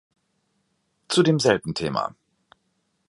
Zu dem selben Thema.